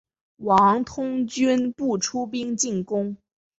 王通均不出兵进攻。